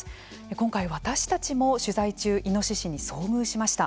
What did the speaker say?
今回私たちも取材中イノシシに遭遇しました。